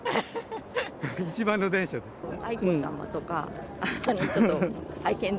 一番の電車で。